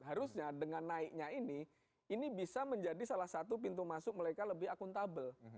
harusnya dengan naiknya ini ini bisa menjadi salah satu pintu masuk mereka lebih akuntabel